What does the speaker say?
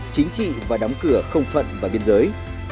chính trị và đóng cửa không phận vào biên giới